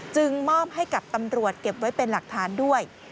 มอบให้กับตำรวจเก็บไว้เป็นหลักฐานด้วย